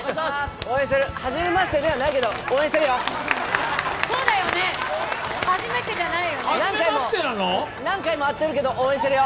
はじめましてではないけど、応援してるよ！